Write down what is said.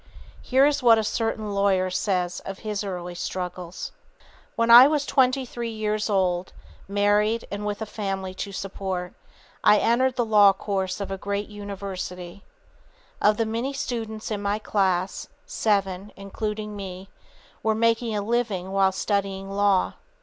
Here is what a certain lawyer says of his early struggles: [Sidenote: How to Release Stored Up Energies] "When I was twenty three years old, married, and with a family to support, I entered the law course of a great university. Of the many students in my class, seven, including me, were making a living while studying law.